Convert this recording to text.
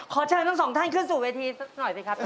ขอเชิญทั้งสองท่านเคลื่อนสู่วิธีซะหน่อยสิครับ